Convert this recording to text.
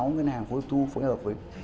ba mươi sáu ngân hàng phối hợp thu phối hợp với